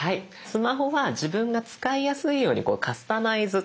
スマホは自分が使いやすいようにこうカスタマイズ。